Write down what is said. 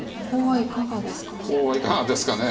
コウはいかがですか？